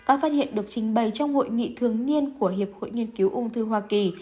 các phát hiện được trình bày trong hội nghị thường niên của hiệp hội nghiên cứu ung thư hoa kỳ